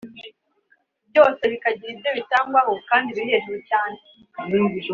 byose bikagira ibyo bitangwaho kandi biri hejuru cyane